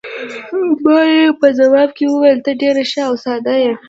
ما یې په ځواب کې وویل: ته ډېره ښه او ساده یې.